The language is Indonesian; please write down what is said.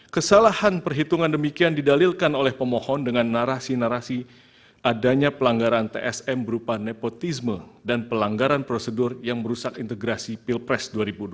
kesalahan perhitungan demikian didalilkan oleh pemohon dengan narasi narasi adanya pelanggaran tsm berupa nepotisme dan pelanggaran prosedur yang merusak integrasi pilpres dua ribu dua puluh